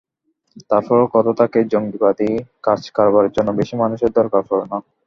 তারপরও কথা থাকে, জঙ্গিবাদী কাজকারবারের জন্য বেশি মানুষের দরকার পড়ে না।